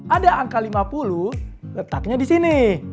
ada angka lima puluh letaknya di sini